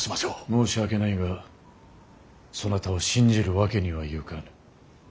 申し訳ないがそなたを信じるわけにはゆかぬ。